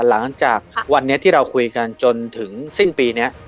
หลังจากวันนี้ที่เราคุยกันจนถึงสิ้นปีนี้